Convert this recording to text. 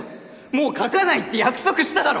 もう描かないって約束しただろ！